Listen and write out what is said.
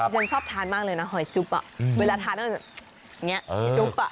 ฉันชอบทานมากเลยนะหอยจุ๊บเวลาทานอย่างนี้จุ๊บอ่ะ